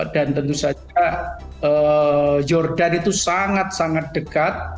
dan tentu saja jordan itu sangat sangat dekat